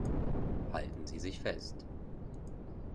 Halten Sie sich fest!